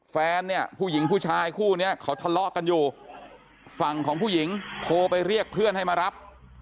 แฟนเนี่ยผู้หญิงผู้ชายคู่เนี้ยเขาทะเลาะกันอยู่ฝั่งของผู้หญิงโทรไปเรียกเพื่อนให้มารับ